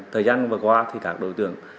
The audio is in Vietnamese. thời gian vừa qua thì các đối tượng